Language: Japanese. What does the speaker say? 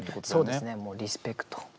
そうですねもうリスペクト。